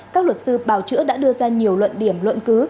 các luật sư bào chữa đã đưa ra nhiều luận điểm luận cứ